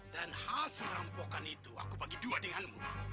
dan hasil rampaukan itu aku bagi dua denganmu